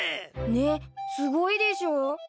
ねっすごいでしょ？